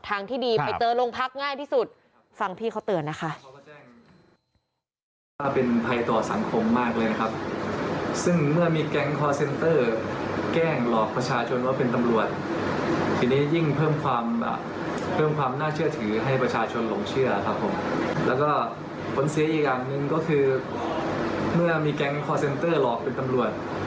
ทางที่ดีไปเจอลงพักง่ายที่สุด